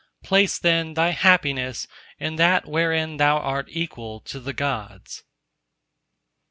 Place then thy happiness in that wherein thou art equal to the Gods.